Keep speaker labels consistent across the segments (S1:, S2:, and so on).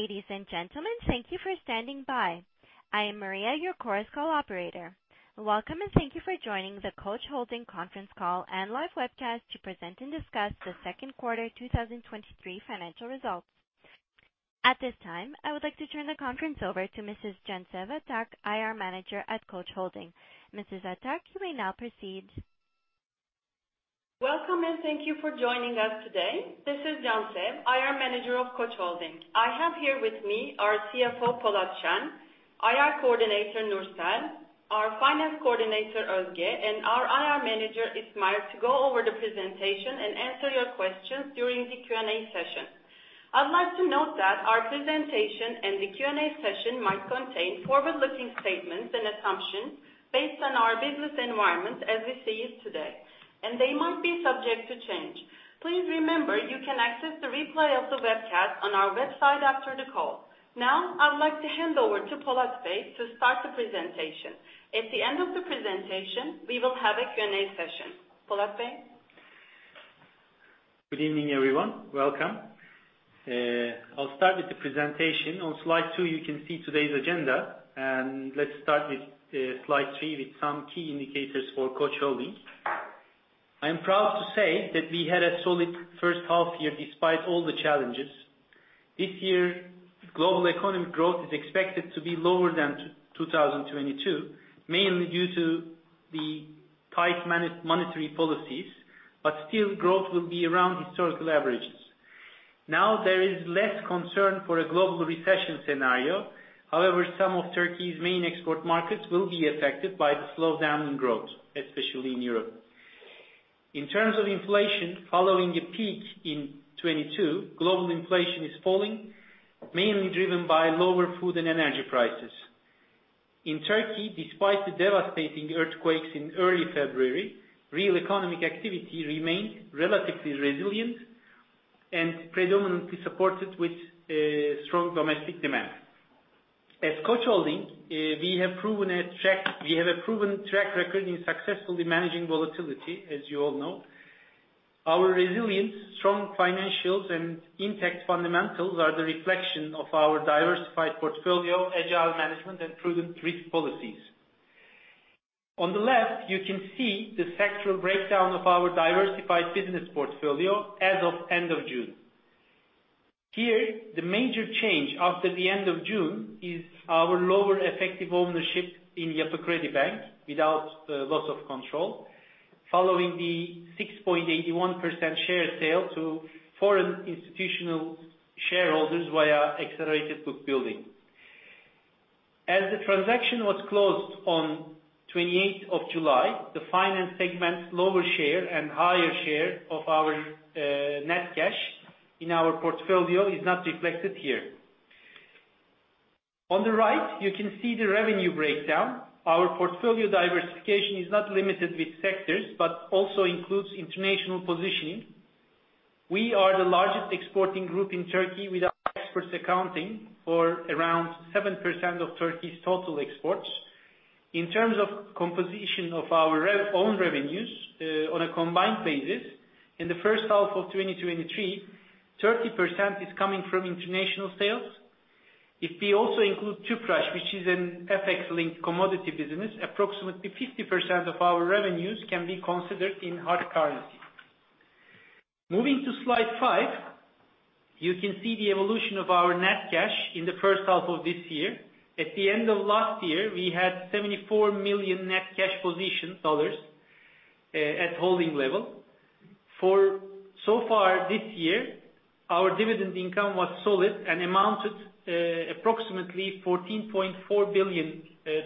S1: Ladies and gentlemen, thank you for standing by. I am Maria, your Chorus Call operator. Welcome and thank you for joining the Koç Holding conference call and live webcast to present and discuss the second quarter 2023 financial results. At this time, I would like to turn the conference over to Mrs. Janset Ayataç, IR Manager at Koç Holding. Mrs. Ayataç, you may now proceed.
S2: Welcome and thank you for joining us today. This is İsmail, IR Manager of Koç Holding. I have here with me our CFO, Polat Şen, IR Coordinator, Nursel, our Finance Coordinator, Özge, and our IR Manager, İsmail, to go over the presentation and answer your questions during the Q&A session. I'd like to note that our presentation and the Q&A session might contain forward-looking statements and assumptions based on our business environment as we see it today, and they might be subject to change. Please remember you can access the replay of the webcast on our website after the call. Now, I'd like to hand over to Polat Şen to start the presentation. At the end of the presentation, we will have a Q&A session. Polat Şen?
S3: Good evening, everyone. Welcome. I'll start with the presentation. On slide two, you can see today's agenda, and let's start with slide three with some key indicators for Koç Holding. I am proud to say that we had a solid first half year despite all the challenges. This year, global economic growth is expected to be lower than 2022, mainly due to the tight monetary policies, but still, growth will be around historical averages. Now, there is less concern for a global recession scenario. However, some of Turkey's main export markets will be affected by the slowdown in growth, especially in Europe. In terms of inflation, following a peak in 2022, global inflation is falling, mainly driven by lower food and energy prices. In Turkey, despite the devastating earthquakes in early February, real economic activity remained relatively resilient and predominantly supported with strong domestic demand. As Koç Holding, we have a proven track record in successfully managing volatility, as you all know. Our resilience, strong financials, and intact fundamentals are the reflection of our diversified portfolio, agile management, and prudent risk policies. On the left, you can see the sectoral breakdown of our diversified business portfolio as of end of June. Here, the major change after the end of June is our lower effective ownership in Yapı Kredi Bank without loss of control, following the 6.81% share sale to foreign institutional shareholders via accelerated book building. As the transaction was closed on 28th of July, the finance segment's lower share and higher share of our net cash in our portfolio is not reflected here. On the right, you can see the revenue breakdown. Our portfolio diversification is not limited with sectors but also includes international positioning. We are the largest exporting group in Turkey with our exports accounting for around 7% of Turkey's total exports. In terms of composition of our own revenues on a combined basis, in the first half of 2023, 30% is coming from international sales. If we also include Tüpraş, which is an FX-linked commodity business, approximately 50% of our revenues can be considered in hard currency. Moving to slide five, you can see the evolution of our net cash in the first half of this year. At the end of last year, we had a $74 million net cash position at holding level. So far this year, our dividend income was solid and amounted to approximately 14.4 billion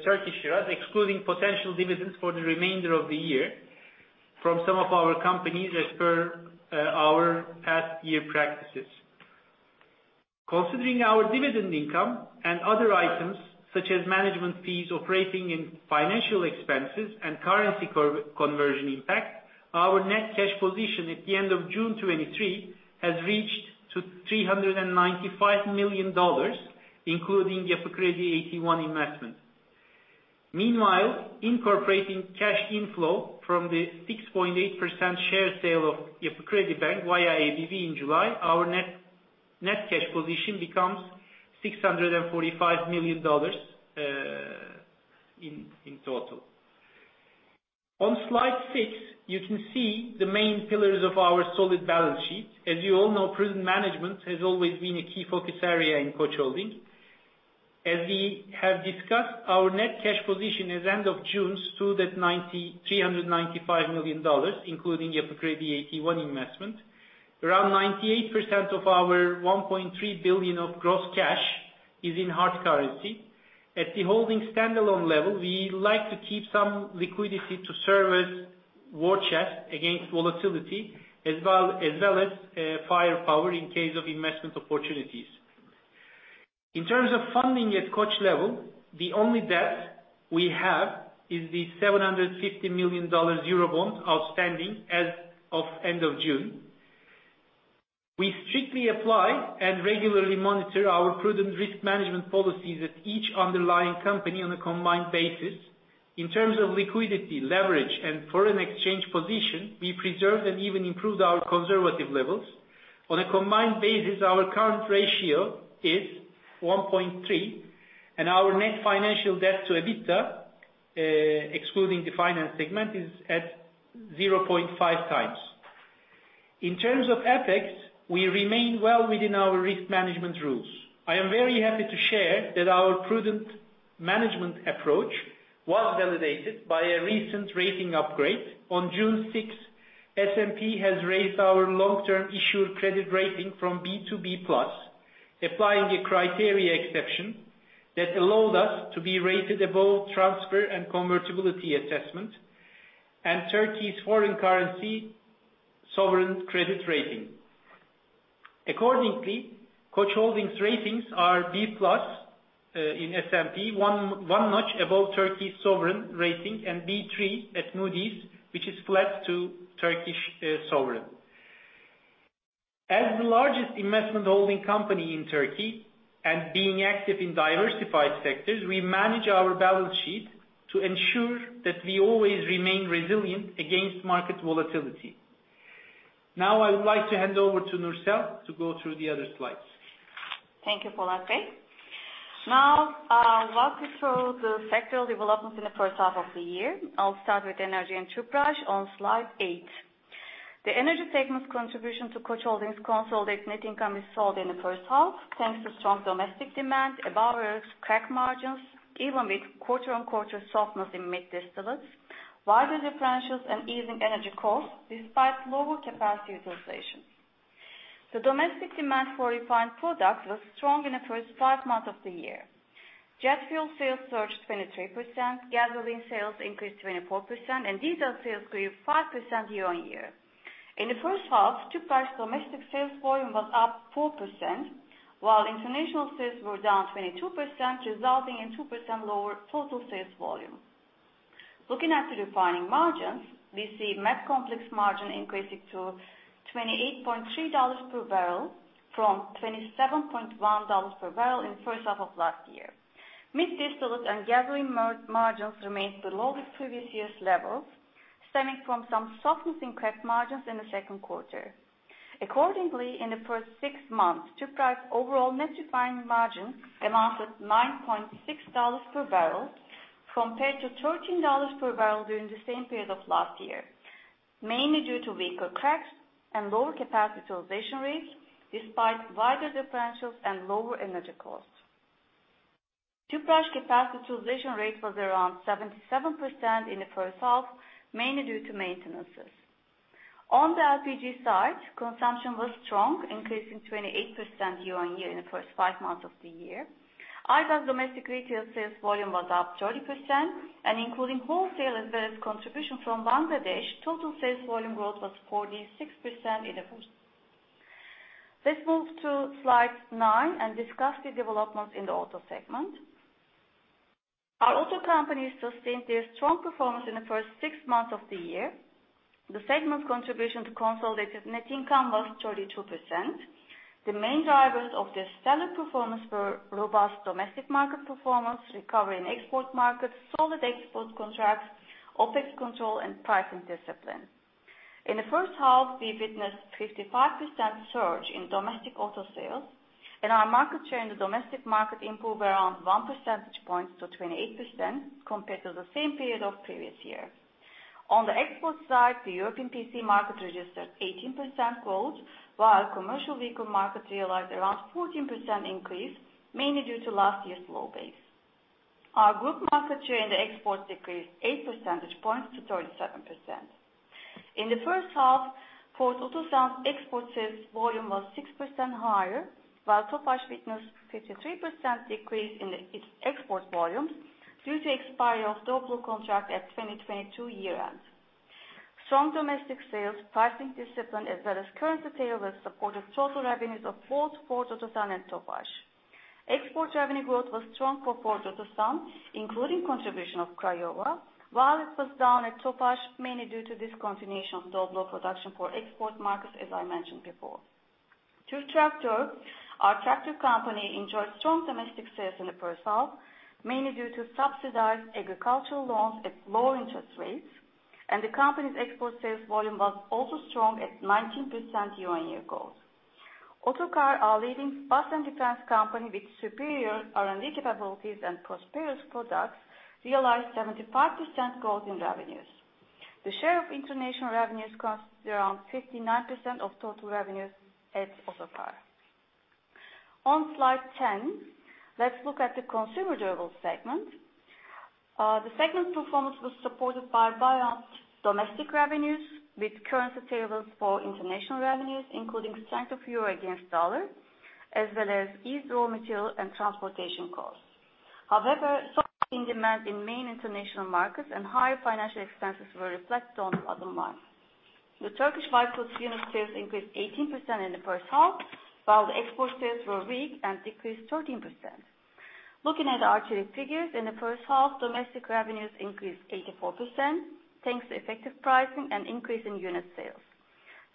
S3: Turkish lira, excluding potential dividends for the remainder of the year from some of our companies as per our past year practices. Considering our dividend income and other items such as management fees, operating and financial expenses, and currency conversion impact, our net cash position at the end of June 2023 has reached $395 million, including Yapı Kredi AT1 investment. Meanwhile, incorporating cash inflow from the 6.8% share sale of Yapı Kredi Bank via ABB in July, our net cash position becomes $645 million in total. On slide six, you can see the main pillars of our solid balance sheet. As you all know, prudent management has always been a key focus area in Koç Holding. As we have discussed, our net cash position at the end of June stood at $395 million, including Yapı Kredi AT1 investment. Around 98% of our $1.3 billion of gross cash is in hard currency. At the holding standalone level, we like to keep some liquidity to serve as war chest against volatility as well as firepower in case of investment opportunities. In terms of funding at Koç level, the only debt we have is the 750 million euro bond outstanding as of end of June. We strictly apply and regularly monitor our prudent risk management policies at each underlying company on a combined basis. In terms of liquidity, leverage, and foreign exchange position, we preserved and even improved our conservative levels. On a combined basis, our current ratio is 1.3, and our net financial debt to EBITDA, excluding the finance segment, is at 0.5 times. In terms of FX, we remain well within our risk management rules. I am very happy to share that our prudent management approach was validated by a recent rating upgrade. On June 6th, S&P has raised our long-term issued credit rating from B to B plus, applying a criteria exception that allowed us to be rated above transfer and convertibility assessment and Turkey's foreign currency sovereign credit rating. Accordingly, Koç Holding's ratings are B plus in S&P, one notch above Turkey's sovereign rating, and B3 at Moody's, which is flat to Turkish sovereign. As the largest investment holding company in Turkey and being active in diversified sectors, we manage our balance sheet to ensure that we always remain resilient against market volatility. Now, I would like to hand over to Nursel to go through the other slides.
S4: Thank you, Polat Şen. Now, I'll walk you through the sectoral developments in the first half of the year. I'll start with energy and Tüpraş on slide eight. The energy segment's contribution to Koç Holding's consolidated net income is solid in the first half thanks to strong domestic demand, above-average crack margins, even with quarter-on-quarter softness in mid-distillates, wider differentials, and easing energy costs despite lower capacity utilization. The domestic demand for refined products was strong in the first five months of the year. Jet fuel sales surged 23%, gasoline sales increased 24%, and diesel sales grew 5% year-on-year. In the first half, Tüpraş's domestic sales volume was up 4%, while international sales were down 22%, resulting in 2% lower total sales volume. Looking at the refining margins, we see Med complex margin increasing to $28.3 per barrel from $27.1 per barrel in the first half of last year. Mid-distillate and gasoline margins remained below the previous year's levels, stemming from some softness in crack margins in the second quarter. Accordingly, in the first six months, Tüpraş's overall net refining margin amounted to $9.6 per barrel compared to $13 per barrel during the same period of last year, mainly due to weaker cracks and lower capacity utilization rates despite wider differentials and lower energy costs. Tüpraş's capacity utilization rate was around 77% in the first half, mainly due to maintenances. On the LPG side, consumption was strong, increasing 28% year-on-year in the first five months of the year. Aygaz's domestic retail sales volume was up 30%, and including wholesale as well as contribution from Bangladesh, total sales volume growth was 46% in the first. Let's move to slide nine and discuss the developments in the auto segment. Our auto companies sustained their strong performance in the first six months of the year. The segment's contribution to consolidated net income was 32%. The main drivers of their stellar performance were robust domestic market performance, recovery in export markets, solid export contracts, OpEx control, and pricing discipline. In the first half, we witnessed a 55% surge in domestic auto sales, and our market share in the domestic market improved around one percentage point to 28% compared to the same period of previous year. On the export side, the European PC market registered 18% growth, while the commercial vehicle market realized around a 14% increase, mainly due to last year's low base. Our group market share in the exports decreased 8 percentage points to 37%. In the first half, Ford Otosan export sales volume was 6% higher, while Tüpraş witnessed a 53% decrease in its export volumes due to the expiry of Doblo contract at 2022 year-end. Strong domestic sales, pricing discipline, as well as currency tailwinds supported total revenues of both Ford Otosan and Tüpraş. Export revenue growth was strong for Ford Otosan, including contribution of Craiova, while it was down at Tüpraş, mainly due to discontinuation of Doblo production for export markets, as I mentioned before. TürkTraktör, our tractor company, enjoyed strong domestic sales in the first half, mainly due to subsidized agricultural loans at lower interest rates, and the company's export sales volume was also strong at 19% year-on-year growth. Otokar, our leading bus and defense company with superior R&D capabilities and prosperous products, realized 75% growth in revenues. The share of international revenues constitutes around 59% of total revenues at Otokar. On slide 10, let's look at the consumer durables segment. The segment performance was supported by balanced domestic revenues with currency tailwinds for international revenues, including strength of euro against dollar, as well as ease of raw material and transportation costs. However, soaring demand in main international markets and higher financial expenses were reflected on the bottom line. The Turkish built-ins unit sales increased 18% in the first half, while the export sales were weak and decreased 13%. Looking at the retail figures, in the first half, domestic revenues increased 84% thanks to effective pricing and increase in unit sales.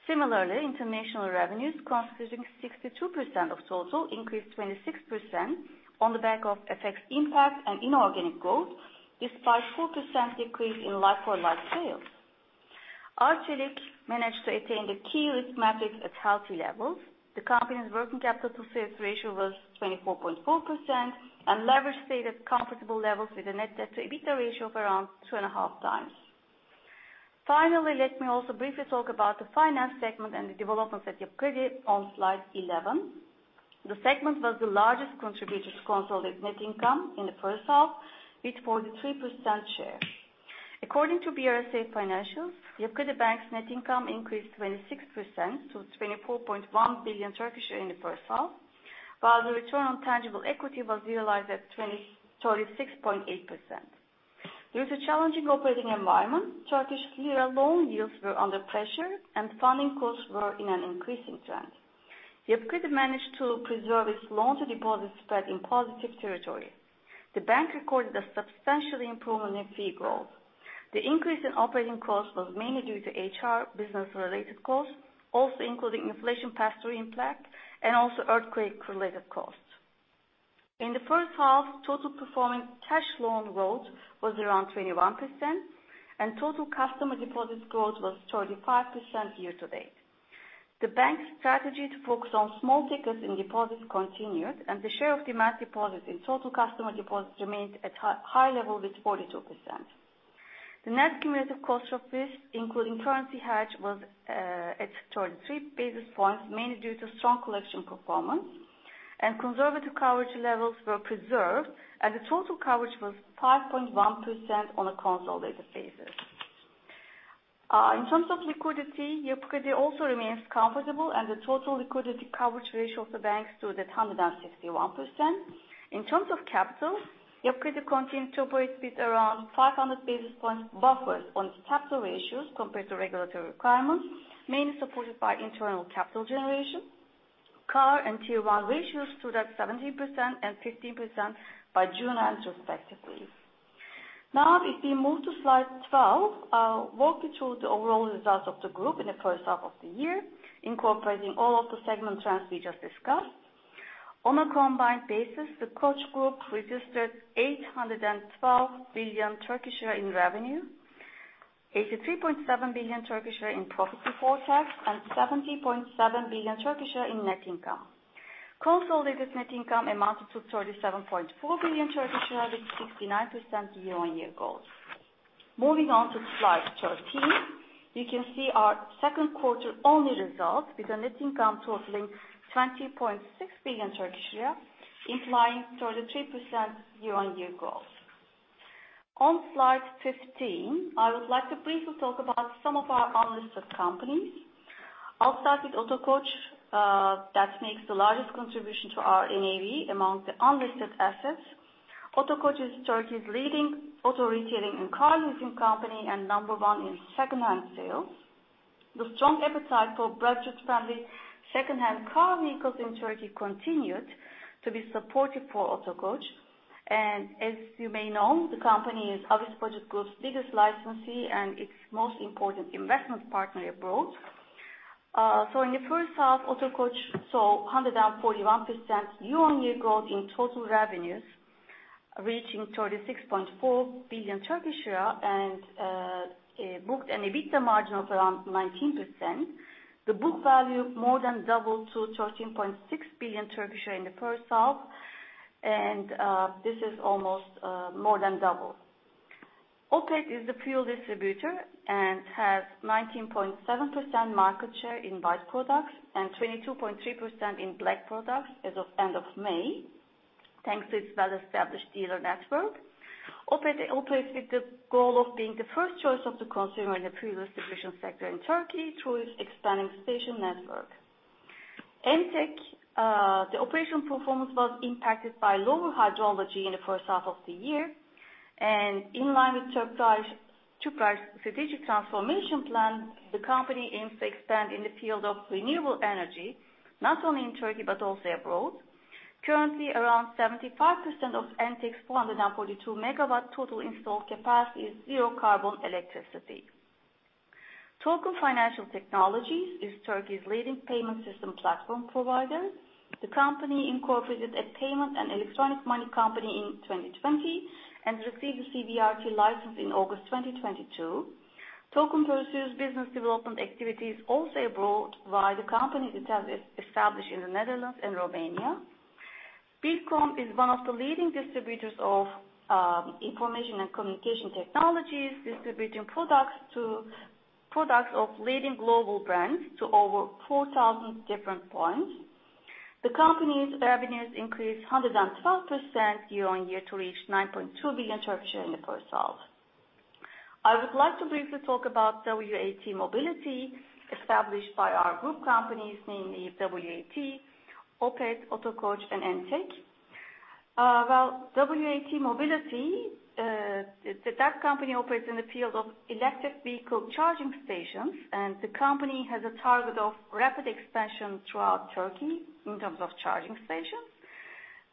S4: Similarly, international revenues, constituting 62% of total, increased 26% on the back of FX impact and inorganic growth, despite a 4% decrease in like-for-like sales. Retail managed to attain the key risk metrics at healthy levels. The company's working capital to sales ratio was 24.4%, and leverage stayed at comfortable levels with a net debt-to-EBITDA ratio of around two and a half times. Finally, let me also briefly talk about the finance segment and the developments at Yapı Kredi on slide 11. The segment was the largest contributor to consolidated net income in the first half, with 43% share. According to BRSA Financials, Yapı Kredi Bank's net income increased 26% to 24.1 billion in the first half, while the return on tangible equity was realized at 36.8%. Due to a challenging operating environment, Turkish lira loan yields were under pressure, and funding costs were in an increasing trend. Yapı Kredi managed to preserve its loan-to-deposit spread in positive territory. The bank recorded a substantial improvement in fee growth. The increase in operating costs was mainly due to HR business-related costs, also including inflation pass-through impact and also earthquake-related costs. In the first half, total performing cash loan growth was around 21%, and total customer deposits growth was 35% year to date. The bank's strategy to focus on small tickets in deposits continued, and the share of demand deposits in total customer deposits remained at a high level with 42%. The net cumulative cost of risk, including currency hedge, was at 33 basis points, mainly due to strong collection performance, and conservative coverage levels were preserved, and the total coverage was 5.1% on a consolidated basis. In terms of liquidity, Yapı Kredi also remains comfortable, and the total liquidity coverage ratio of the bank stood at 161%. In terms of capital, Yapı Kredi continued to operate with around 500 basis points buffers on its capital ratios compared to regulatory requirements, mainly supported by internal capital generation. CAR and Tier 1 ratios stood at 17% and 15% by June end, respectively. Now, if we move to slide 12, I'll walk you through the overall results of the group in the first half of the year, incorporating all of the segment trends we just discussed. On a combined basis, the Koç Group registered 812 billion in revenue, 83.7 billion in profit before tax, and 70.7 billion in net income. Consolidated net income amounted to 37.4 billion, with 69% year-on-year growth. Moving on to slide 13, you can see our second quarter-only results with a net income totaling 20.6 billion Turkish lira, implying 33% year-on-year growth. On slide 15, I would like to briefly talk about some of our unlisted companies. I'll start with Otokoç, that makes the largest contribution to our NAV among the unlisted assets. Otokoç is Turkey's leading auto retailing and car leasing company and number one in second-hand sales. The strong appetite for budget-friendly second-hand car vehicles in Turkey continued to be supportive for Otokoç, and as you may know, the company is Avis Budget Group's biggest licensee and its most important investment partner abroad. So, in the first half, Otokoç saw 141% year-on-year growth in total revenues, reaching TRY 36.4 billion and booked an EBITDA margin of around 19%. The book value more than doubled to 13.6 billion in the first half, and this is almost more than double. Opet is the fuel distributor and has 19.7% market share in white products and 22.3% in black products as of end of May, thanks to its well-established dealer network. Opet operates with the goal of being the first choice of the consumer in the fuel distribution sector in Turkey through its expanding spatial network. The operational performance was impacted by lower hydrology in the first half of the year, and in line with Entek's strategic transformation plan, the company aims to expand in the field of renewable energy, not only in Turkey but also abroad. Currently, around 75% of Entek's 442 megawatts total installed capacity is zero-carbon electricity. Token Financial Technologies is Turkey's leading payment system platform provider. The company incorporated a payment and electronic money company in 2020 and received a CBRT license in August 2022. Token pursues business development activities also abroad via the company it has established in the Netherlands and Romania. Bilkom is one of the leading distributors of information and communication technologies, distributing products of leading global brands to over 4,000 different points. The company's revenues increased 112% year-on-year to reach 9.2 billion in the first half. I would like to briefly talk about WAT Mobility, established by our group companies, namely WAT, Opet, Otokoç, and Entek. WAT Mobility, that company operates in the field of electric vehicle charging stations, and the company has a target of rapid expansion throughout Turkey in terms of charging stations,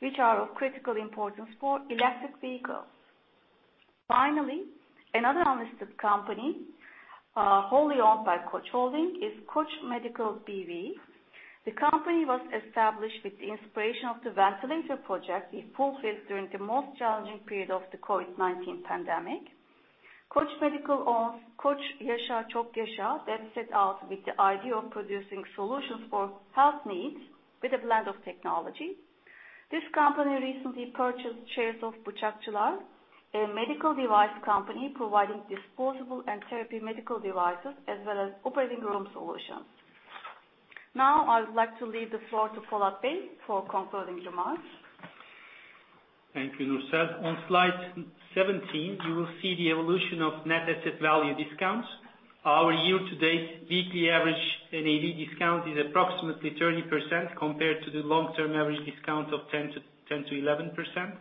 S4: which are of critical importance for electric vehicles. Finally, another unlisted company, wholly owned by Koç Holding, is Koç Medical BV. The company was established with the inspiration of the ventilator project, which fulfilled during the most challenging period of the COVID-19 pandemic. Koç Medical owns Koç Yaşa Çok Yaşa, that set out with the idea of producing solutions for health needs with a blend of technology. This company recently purchased shares of Bıçakçılar, a medical device company providing disposable and therapy medical devices, as well as operating room solutions. Now, I would like to leave the floor to Polat Şen for concluding remarks.
S3: Thank you, Nursel. On slide 17, you will see the evolution of net asset value discounts. Our year-to-date weekly average NAV discount is approximately 30% compared to the long-term average discount of 10%-11%.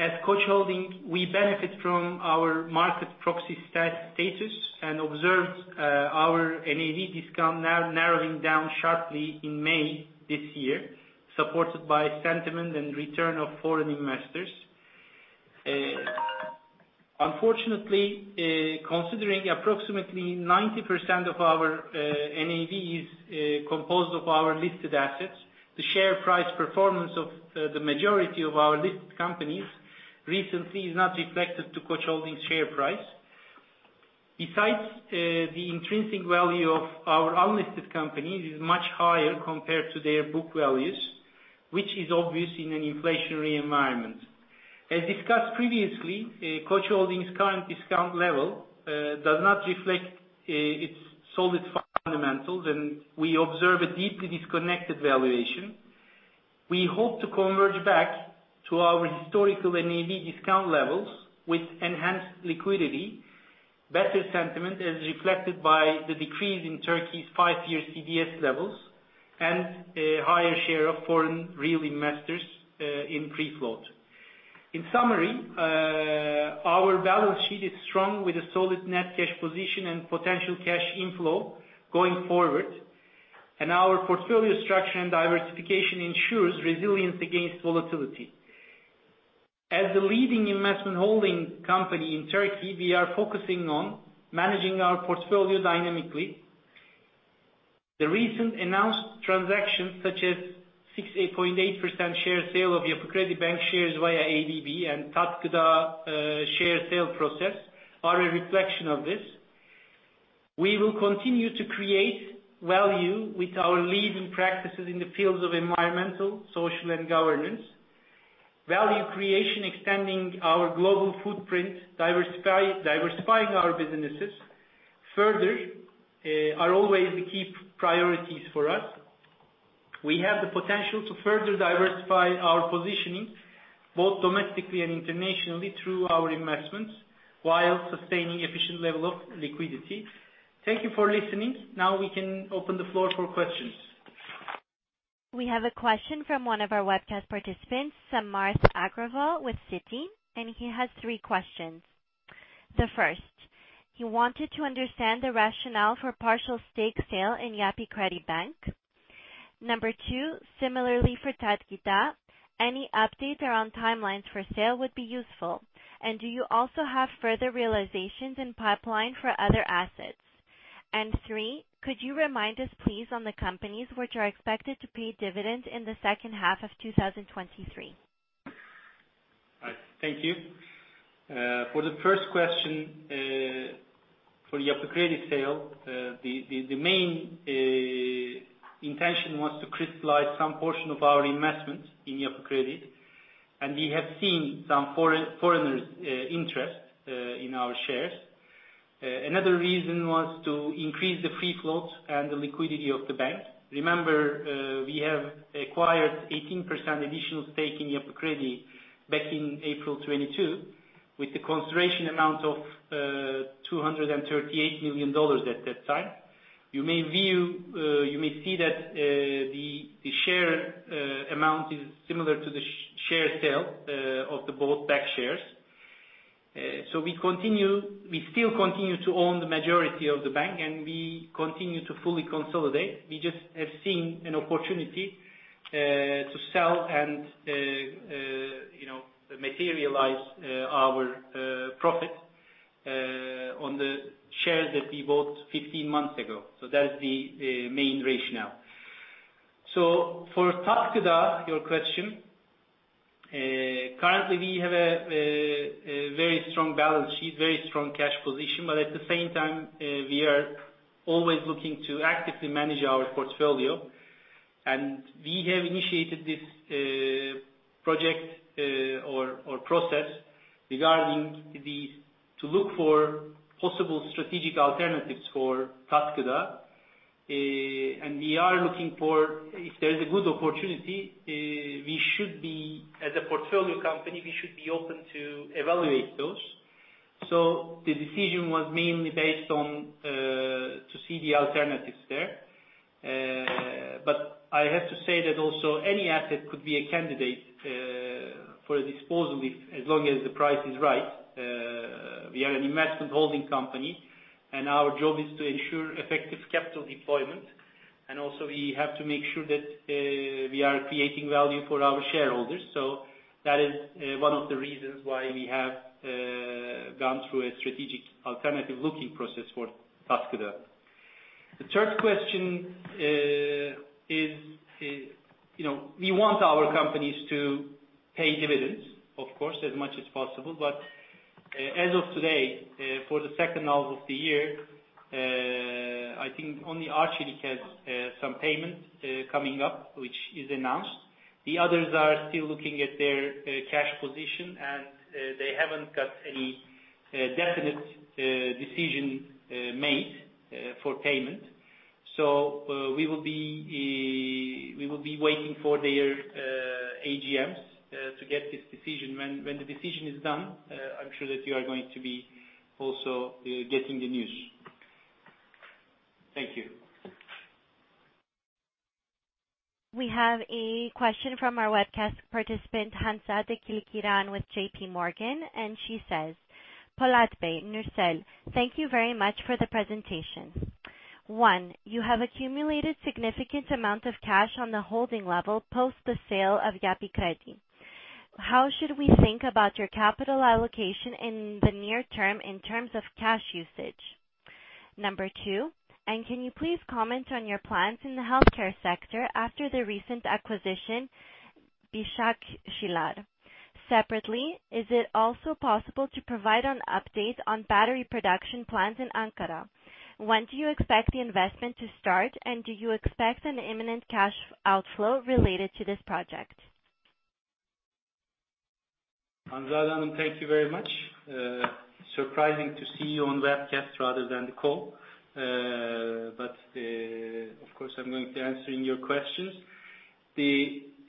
S3: As Koç Holding, we benefit from our market proxy status and observed our NAV discount narrowing down sharply in May this year, supported by sentiment and return of foreign investors. Unfortunately, considering approximately 90% of our NAV is composed of our listed assets, the share price performance of the majority of our listed companies recently is not reflected to Koç Holding's share price. Besides, the intrinsic value of our unlisted companies is much higher compared to their book values, which is obvious in an inflationary environment. As discussed previously, Koç Holding's current discount level does not reflect its solid fundamentals, and we observe a deeply disconnected valuation. We hope to converge back to our historical NAV discount levels with enhanced liquidity, better sentiment, as reflected by the decrease in Turkey's five-year CDS levels, and a higher share of foreign real investors in free float. In summary, our balance sheet is strong with a solid net cash position and potential cash inflow going forward, and our portfolio structure and diversification ensures resilience against volatility. As the leading investment holding company in Turkey, we are focusing on managing our portfolio dynamically. The recent announced transactions, such as 6.8% share sale of Yapı Kredi Bank shares via ABB and Tat Gıda share sale process, are a reflection of this. We will continue to create value with our leading practices in the fields of environmental, social, and governance. Value creation, extending our global footprint, diversifying our businesses further, are always the key priorities for us. We have the potential to further diversify our positioning, both domestically and internationally, through our investments while sustaining an efficient level of liquidity. Thank you for listening. Now we can open the floor for questions.
S1: We have a question from one of our webcast participants, Samarth Agrawal with Citi, and he has three questions. The first, he wanted to understand the rationale for partial stake sale in Yapı Kredi. Number two, similarly for Tat Gıda, any updates around timelines for sale would be useful, and do you also have further realizations in pipeline for other assets? And three, could you remind us, please, on the companies which are expected to pay dividends in the second half of 2023?
S3: Thank you. For the first question, for the Yapı Kredi sale, the main intention was to crystallize some portion of our investment in Yapı Kredi, and we have seen some foreigners' interest in our shares. Another reason was to increase the free float and the liquidity of the bank. Remember, we have acquired 18% additional stake in Yapı Kredi back in April 2022, with the consideration amount of $238 million at that time. You may see that the share amount is similar to the share sale of the both back shares. So we still continue to own the majority of the bank, and we continue to fully consolidate. We just have seen an opportunity to sell and materialize our profit on the shares that we bought 15 months ago. So that is the main rationale. For Tat Gıda, your question, currently we have a very strong balance sheet, very strong cash position, but at the same time, we are always looking to actively manage our portfolio, and we have initiated this project or process regarding to look for possible strategic alternatives for Tat Gıda, and we are looking for, if there is a good opportunity, as a portfolio company, we should be open to evaluate those. The decision was mainly based on to see the alternatives there, but I have to say that also any asset could be a candidate for a disposal as long as the price is right. We are an investment holding company, and our job is to ensure effective capital deployment, and also we have to make sure that we are creating value for our shareholders. So that is one of the reasons why we have gone through a strategic alternative-looking process for Tat Gıda. The third question is we want our companies to pay dividends, of course, as much as possible, but as of today, for the second half of the year, I think only Arçelik has some payment coming up, which is announced. The others are still looking at their cash position, and they haven't got any definite decision made for payment. So we will be waiting for their AGMs to get this decision. When the decision is done, I'm sure that you are going to be also getting the news. Thank you.
S1: We have a question from our webcast participant, Hanzade Kılkıran with J.P. Morgan, and she says, "Polat Şen, Nursel, thank you very much for the presentation. One, you have accumulated a significant amount of cash on the holding level post the sale of Yapı Kredi. How should we think about your capital allocation in the near term in terms of cash usage? Number two, and can you please comment on your plans in the healthcare sector after the recent acquisition, Bıçakçılar? Separately, is it also possible to provide an update on battery production plans in Ankara? When do you expect the investment to start, and do you expect an imminent cash outflow related to this project?
S3: Hanzade Hanım, thank you very much. Surprising to see you on webcast rather than the call, but of course, I'm going to be answering your questions.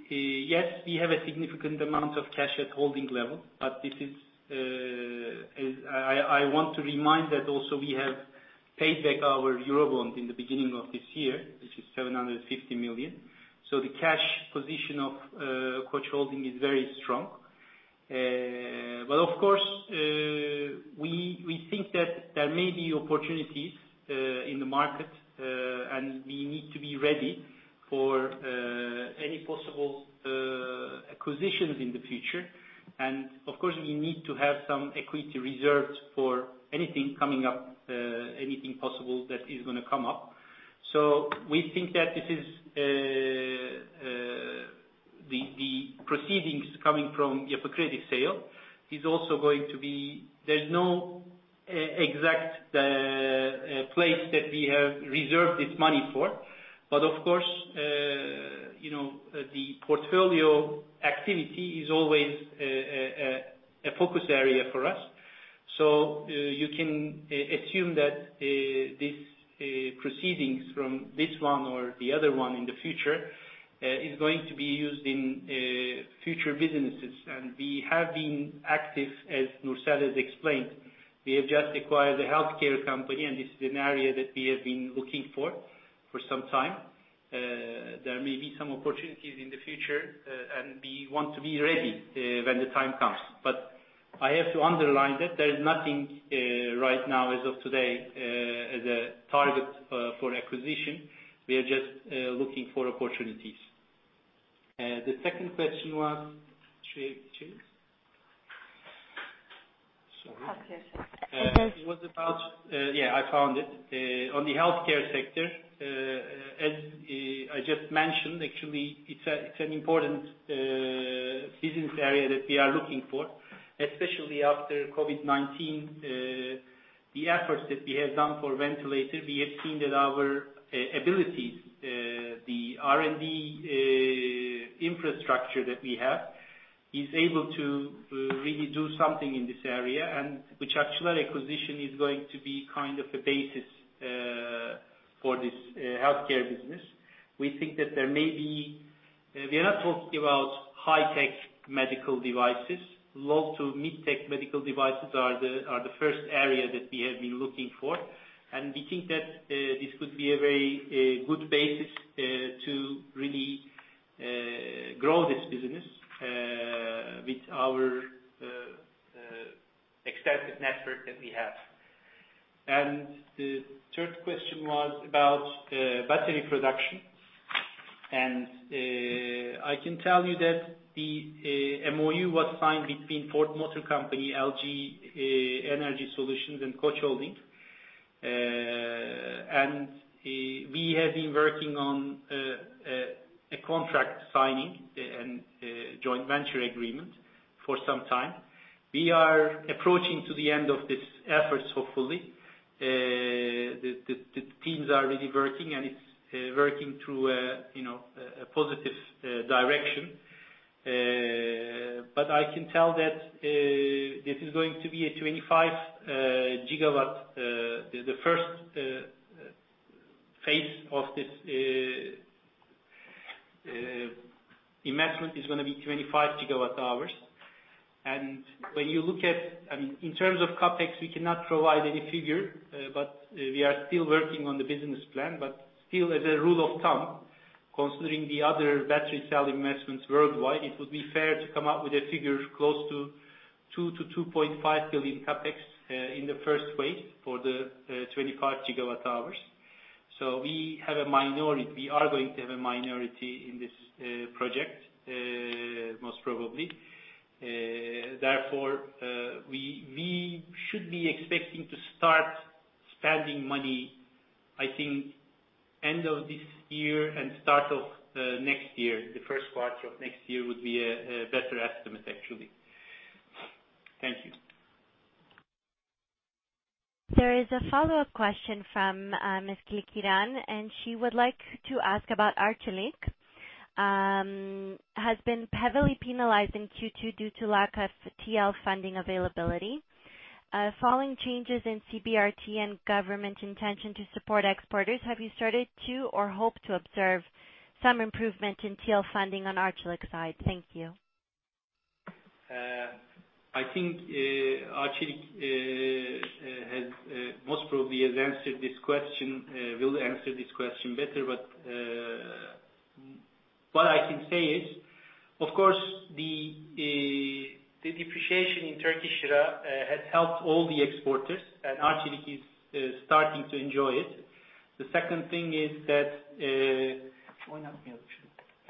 S3: Yes, we have a significant amount of cash at holding level, but I want to remind that also we have paid back our Eurobond in the beginning of this year, which is 750 million. So the cash position of Koç Holding is very strong. But of course, we think that there may be opportunities in the market, and we need to be ready for any possible acquisitions in the future, and of course, we need to have some equity reserved for anything coming up, anything possible that is going to come up. So we think that the proceeds coming from Yapı Kredi sale is also going to be. There's no exact place that we have reserved this money for, but of course, the portfolio activity is always a focus area for us. So you can assume that these proceeds from this one or the other one in the future is going to be used in future businesses, and we have been active, as Nursel has explained. We have just acquired a healthcare company, and this is an area that we have been looking for for some time. There may be some opportunities in the future, and we want to be ready when the time comes, but I have to underline that there is nothing right now, as of today, as a target for acquisition. We are just looking for opportunities. The second question was, should I change? Sorry. Healthcare sector. It was about, yeah, I found it. On the healthcare sector, as I just mentioned, actually, it's an important business area that we are looking for, especially after COVID-19, the efforts that we have done for ventilator. We have seen that our abilities, the R&D infrastructure that we have, is able to really do something in this area, and Bıçakçılar acquisition is going to be kind of a basis for this healthcare business. We think that we are not talking about high-tech medical devices. Low to mid-tech medical devices are the first area that we have been looking for, and we think that this could be a very good basis to really grow this business with our extensive network that we have, and the third question was about battery production, and I can tell you that the MOU was signed between Ford Motor Company, LG Energy Solution, and Koç Holding, and we have been working on a contract signing and joint venture agreement for some time. We are approaching to the end of these efforts, hopefully. The teams are really working, and it's working through a positive direction, but I can tell that this is going to be a 25 gigawatt. The first phase of this investment is going to be 25 gigawatt hours, and when you look at, I mean, in terms of CapEx, we cannot provide any figure, but we are still working on the business plan. But still, as a rule of thumb, considering the other battery cell investments worldwide, it would be fair to come up with a figure close to $2-2.5 billion CapEx in the first phase for the 25 gigawatt hours. So we have a minority. We are going to have a minority in this project, most probably. Therefore, we should be expecting to start spending money, I think, end of this year and start of next year. The first quarter of next year would be a better estimate, actually. Thank you.
S1: There is a follow-up question from Ms. Kılkıran, and she would like to ask about Arçelik. Has been heavily penalized in Q2 due to lack of TL funding availability. Following changes in CBRT and government intention to support exporters, have you started to or hope to observe some improvement in TL funding on Arçelik's side? Thank you.
S3: I think Arçelik has most probably answered this question, will answer this question better, but what I can say is, of course, the depreciation in Turkish lira has helped all the exporters, and Arçelik is starting to enjoy it. The second thing is that,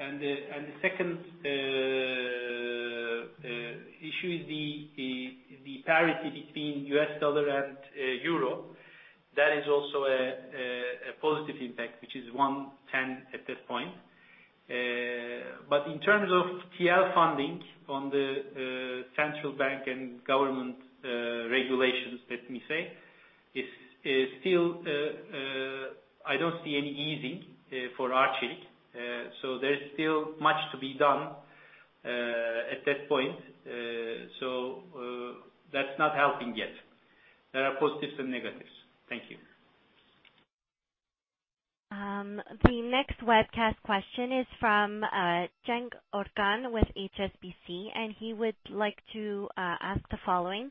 S3: and the second issue is the parity between US dollar and euro. That is also a positive impact, which is 110 at this point. But in terms of TL funding on the central bank and government regulations, let me say, is still I don't see any easing for Arçelik. So there is still much to be done at this point, so that's not helping yet. There are positives and negatives. Thank you.
S1: The next webcast question is from Cenk Orkan with HSBC, and he would like to ask the following.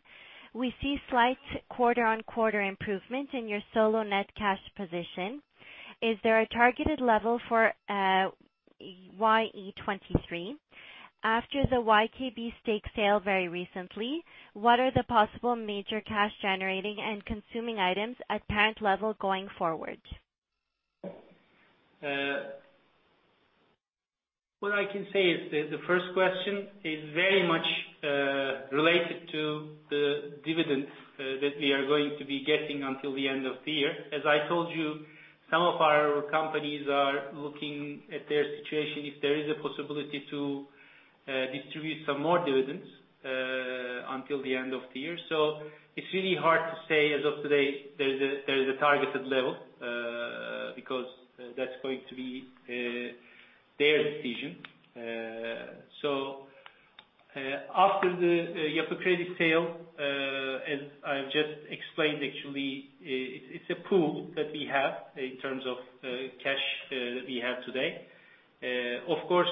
S1: We see slight quarter-on-quarter improvement in your solo net cash position. Is there a targeted level for YE 2023? After the YKB stake sale very recently, what are the possible major cash-generating and consuming items at parent level going forward?
S3: What I can say is the first question is very much related to the dividends that we are going to be getting until the end of the year. As I told you, some of our companies are looking at their situation if there is a possibility to distribute some more dividends until the end of the year. So it's really hard to say, as of today, there is a targeted level because that's going to be their decision. So after the Yapı Kredi sale, as I've just explained, actually, it's a pool that we have in terms of cash that we have today. Of course,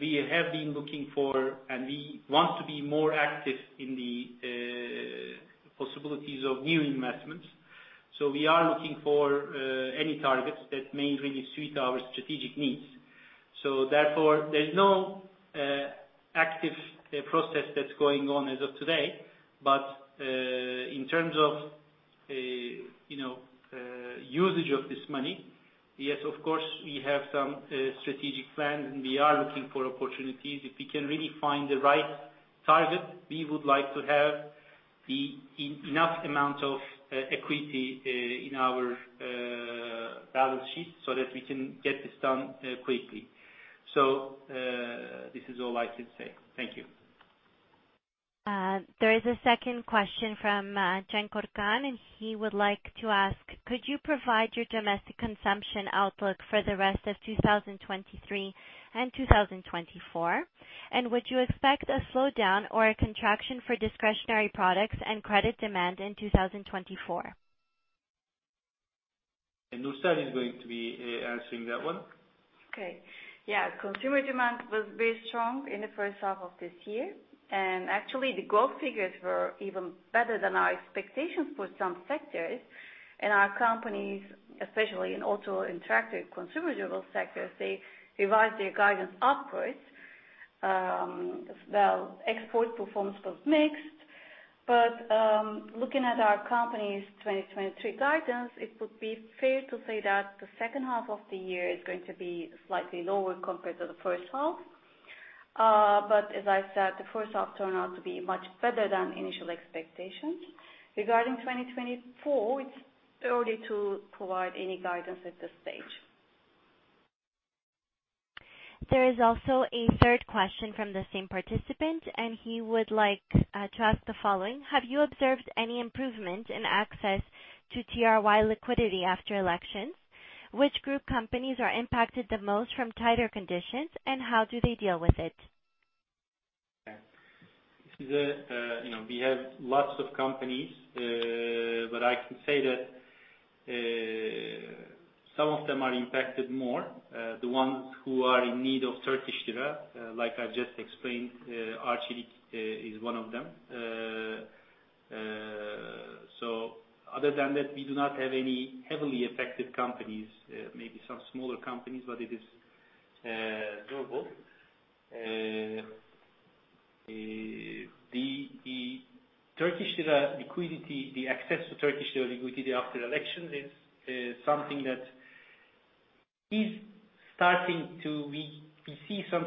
S3: we have been looking for, and we want to be more active in the possibilities of new investments. So we are looking for any targets that may really suit our strategic needs. So therefore, there is no active process that's going on as of today, but in terms of usage of this money, yes, of course, we have some strategic plans, and we are looking for opportunities. If we can really find the right target, we would like to have enough amount of equity in our balance sheet so that we can get this done quickly. So this is all I can say. Thank you.
S1: There is a second question from Cenk Orkan, and he would like to ask, could you provide your domestic consumption outlook for the rest of 2023 and 2024? And would you expect a slowdown or a contraction for discretionary products and credit demand in 2024?
S3: And Nursel is going to be answering that one.
S4: Okay. Yeah. Consumer demand was very strong in the first half of this year, and actually, the growth figures were even better than our expectations for some sectors. And our companies, especially in auto and tractor consumer sectors, they revised their guidance upwards. Well, export performance was mixed, but looking at our company's 2023 guidance, it would be fair to say that the second half of the year is going to be slightly lower compared to the first half. But as I said, the first half turned out to be much better than initial expectations. Regarding 2024, it's early to provide any guidance at this stage.
S1: There is also a third question from the same participant, and he would like to ask the following. Have you observed any improvement in access to TRY liquidity after elections? Which group companies are impacted the most from tighter conditions, and how do they deal with it?
S3: We have lots of companies, but I can say that some of them are impacted more. The ones who are in need of Turkish lira, like I just explained, Arçelik is one of them. So other than that, we do not have any heavily affected companies, maybe some smaller companies, but it is doable. The Turkish lira liquidity, the access to Turkish lira liquidity after elections is something that is starting to see some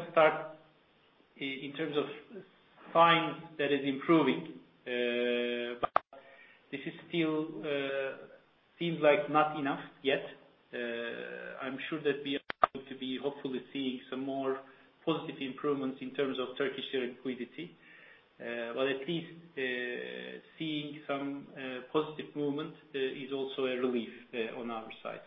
S3: signs that is improving, but this still seems like not enough yet. I'm sure that we are going to be hopefully seeing some more positive improvements in terms of Turkish lira liquidity, but at least seeing some positive movement is also a relief on our side.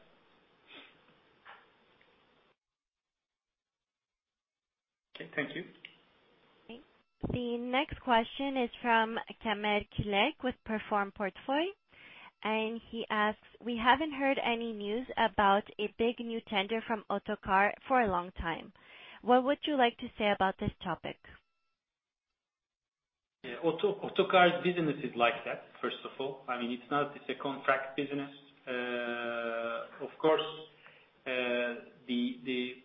S3: .Okay. Thank you.
S1: The next question is from Kemal Külek with Perform Portföy, and he asks, we haven't heard any news about a big new tender from Otokar for a long time. What would you like to say about this topic?
S3: Otokar's business is like that, first of all. I mean, it's not a contract business. Of course, the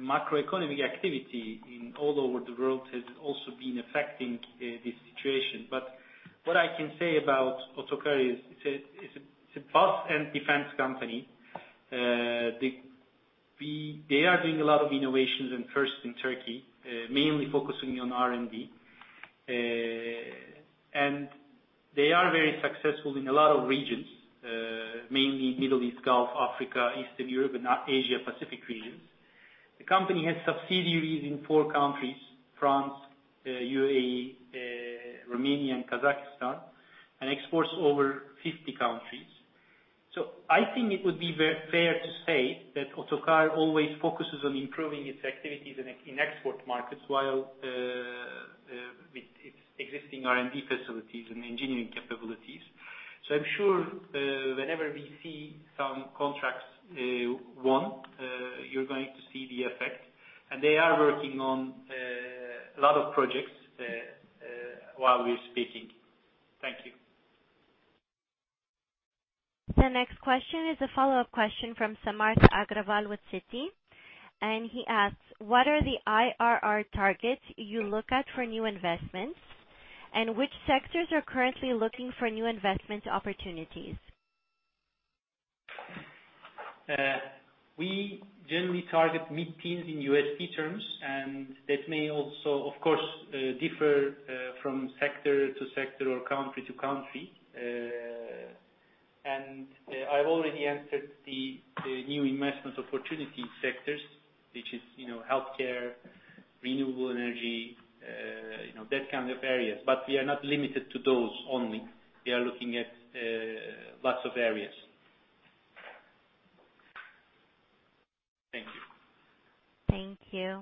S3: macroeconomic activity all over the world has also been affecting this situation, but what I can say about Otokar is it's a bus and defense company. They are doing a lot of innovations and firsts in Turkey, mainly focusing on R&D, and they are very successful in a lot of regions, mainly Middle East, Gulf, Africa, Eastern Europe, and Asia-Pacific regions. The company has subsidiaries in four countries: France, UAE, Romania, and Kazakhstan, and exports over 50 countries. So I think it would be fair to say that Otokar always focuses on improving its activities in export markets while with its existing R&D facilities and engineering capabilities. So I'm sure whenever we see some contracts won, you're going to see the effect, and they are working on a lot of projects while we're speaking. Thank you.
S1: The next question is a follow-up question from Samarth Agrawal with Citi, and he asks, what are the IRR targets you look at for new investments, and which sectors are currently looking for new investment opportunities?
S3: We generally target mid-teens in USP terms, and that may also, of course, differ from sector to sector or country to country. And I've already answered the new investment opportunity sectors, which is healthcare, renewable energy, that kind of areas, but we are not limited to those only. We are looking at lots of areas. Thank you.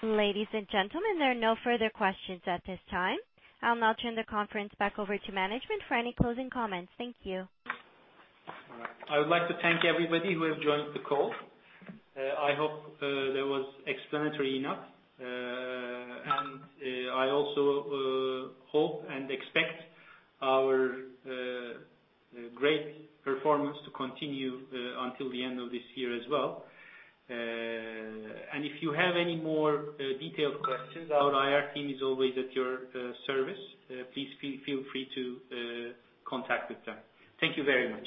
S1: Thank you. Ladies and gentlemen, there are no further questions at this time. I'll now turn the conference back over to management for any closing comments. Thank you.
S3: All right. I would like to thank everybody who has joined the call. I hope that was explanatory enough, and I also hope and expect our great performance to continue until the end of this year as well. And if you have any more detailed questions, our IR team is always at your service. Please feel free to contact them. Thank you very much.